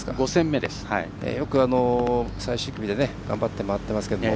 よく最終組で頑張って回ってますけど。